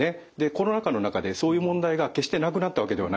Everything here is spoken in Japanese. コロナ禍の中でそういう問題が決してなくなったわけではないんです。